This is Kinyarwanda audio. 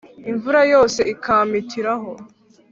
imvura yose ikampitiraho!